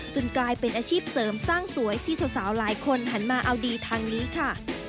กลายเป็นอาชีพเสริมสร้างสวยที่สาวหลายคนหันมาเอาดีทางนี้ค่ะ